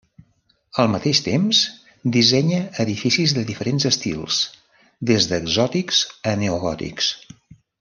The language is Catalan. Al mateix temps dissenya edificis de diferents estils des d'exòtics o neogòtics.